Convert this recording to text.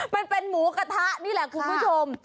มันเป็นหมูกระทะนี่แหละคุณผู้ชม